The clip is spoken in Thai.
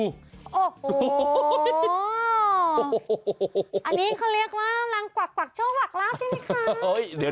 โอ้โห้อันนี้เขาเรียกว่านางกวากปากเช่าหวักรับใช่ไหมคะ